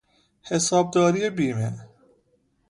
حسابداری بیمه